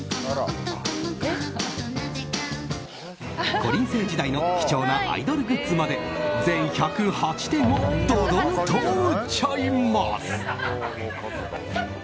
こりん星時代の貴重なアイドルグッズまで全１０８点をドドンと売っちゃいます！